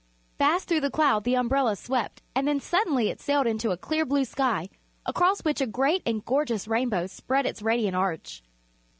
Fast through the cloud the umbrella swept and then suddenly it sailed into a clear blue sky, across which a great and gorgeous Rainbow spread its radiant arch.